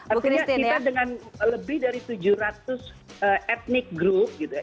artinya kita dengan lebih dari tujuh ratus etnik group gitu ya